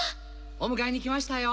お迎えに来ましたよ！